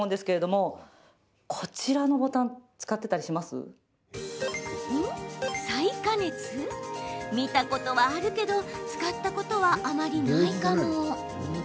見たことはあるけど使ったことはあまりないかも。